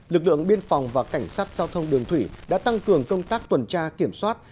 lực lượng biên phòng và cảnh sát giao thông đường thủy đã tăng cường công tác tuần tra kiểm soát